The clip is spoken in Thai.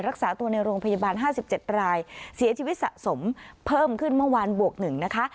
รักษาตัวในโรงพยาบาล๕๗รายเสียชีวิตสะสมเพิ่มขึ้นเมื่อวานบวก๑นะคะ